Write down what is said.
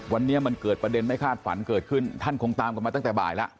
วันนี้มันเกิดประเด็นไม่คาดฝันเกิดขึ้นท่านคงตามกันมาตั้งแต่บ่ายแล้ว